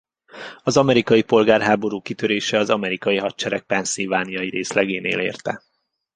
Az amerikai polgárháború kitörése az amerikai hadsereg Pennsylvania-i részlegénél érte.